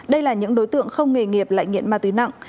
đây là những đối tượng không nghề nghiệp lại nghiện ma túy nặng